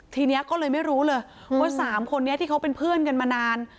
ทีนี้ก็เลยไม่รู้เลยว่า๓คนนี้ที่เขาเป็นเพื่อนกันมานาน